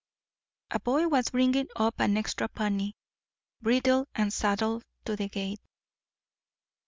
A boy was bringing up an extra pony, bridled and saddled, to the gate.